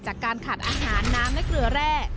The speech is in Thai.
จากการขาดอาหารน้ำและเกลือแร่